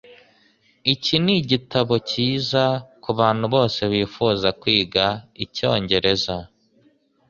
Iki nigitabo cyiza kubantu bose bifuza kwiga icyongereza